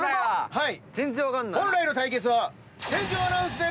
はい。